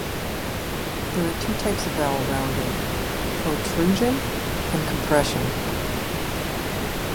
There are two types of vowel rounding: "protrusion" and "compression".